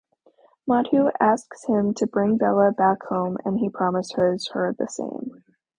Madhu asks him to bring Bela back home and he promises her the same.